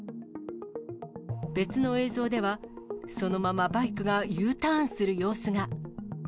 別の映像では、そのままバイクがＵターンする様子が。